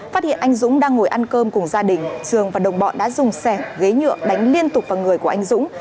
phát hiện anh dũng đang ngồi ăn cơm cùng gia đình trường và đồng bọn đã dùng sẻ ghế nhựa đánh liên tục vào người của anh dũng